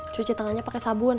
cuci tangannya pake sabun